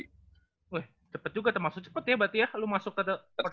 wih cepet juga termasuk cepet ya batia lu masuk tata